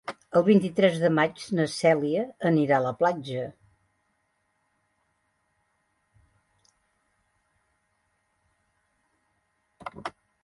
El vint-i-tres de maig na Cèlia anirà a la platja.